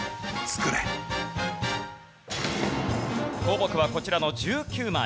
項目はこちらの１９枚。